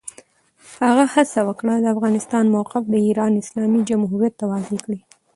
هغه هڅه وکړه، د افغانستان موقف د ایران اسلامي جمهوریت ته واضح کړي.